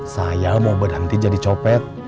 saya mau berhenti jadi copet